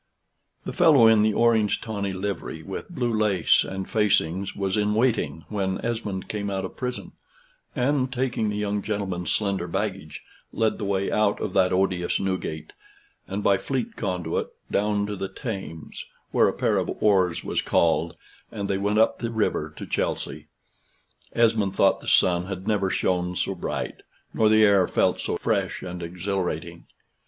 The fellow in the orange tawny livery with blue lace and facings was in waiting when Esmond came out of prison, and, taking the young gentleman's slender baggage, led the way out of that odious Newgate, and by Fleet Conduit, down to the Thames, where a pair of oars was called, and they went up the river to Chelsey. Esmond thought the sun had never shone so bright; nor the air felt so fresh and exhilarating.